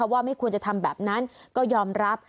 ว่าไม่ควรจะทำแบบนั้นก็ยอมรับ